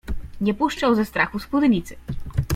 Nie puszczał ze strachu spódnicy.